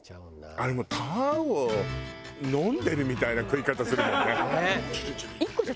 あれもう卵を飲んでるみたいな食い方するもんねジュルジュルって。